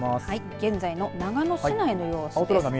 現在の長野市内の様子です。